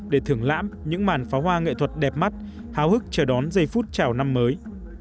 để thưởng lãm những màn pháo hoa nghệ thuật đẹp mắt hào hức chờ đón giây phút chào năm mới